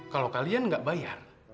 kalau kalian nggak bayar